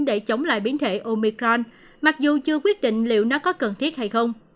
để chống lại biến thể omicron mặc dù chưa quyết định liệu nó có cần thiết hay không